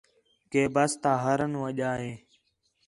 کہ بس تا ہارن وڄا ہِے